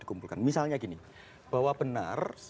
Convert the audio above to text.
dikumpulkan misalnya gini bahwa benar